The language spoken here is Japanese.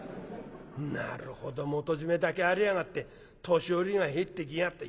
なるほど元締めだけありやがって年寄りが入ってきやがった。